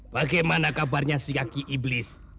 bagaimana kabarnya si yaki iblis